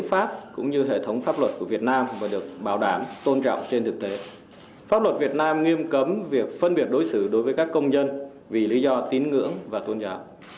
pháp luật việt nam nghiêm cấm việc phân biệt đối xử đối với các công nhân vì lý do tín ngưỡng và tôn giáo